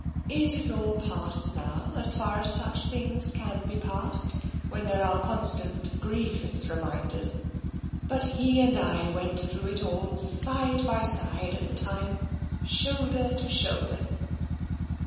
It is all past now, as far as such things can be past when there are constant grievous reminders, but he and I went through it all side by side at the time — shoulder to shoulder."